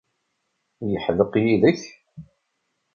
Yeḥdeq yid-k?